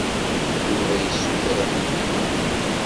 Yuba yessuter axeddim-a.